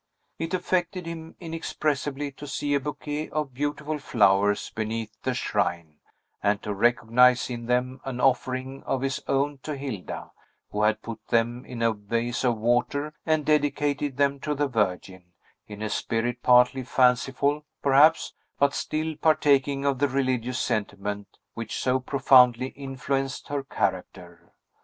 It affected him inexpressibly to see a bouquet of beautiful flowers beneath the shrine, and to recognize in them an offering of his own to Hilda, who had put them in a vase of water, and dedicated them to the Virgin, in a spirit partly fanciful, perhaps, but still partaking of the religious sentiment which so profoundly influenced her character.